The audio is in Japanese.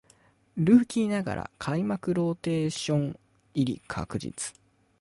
ルーキーながら開幕ローテーション入り確実